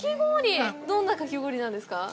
どんなかき氷なんですか？